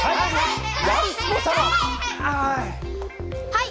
はい！